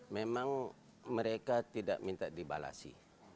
memang mereka tidak minta dibalasi